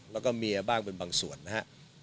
แล้วก็เมียบ้างเป็นบางส่วนนะฮะ